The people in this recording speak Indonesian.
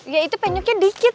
ya itu penyoknya dikit